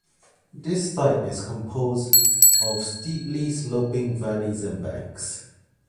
This site is composed of steeply sloping valleys and banks.